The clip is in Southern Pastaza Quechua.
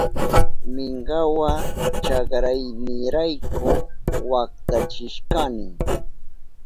Minkawa chakraynirayku waktachishkani.